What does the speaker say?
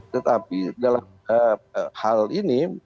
tetapi dalam hal ini